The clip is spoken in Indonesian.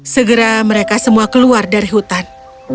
segera mereka semua keluar dari hutan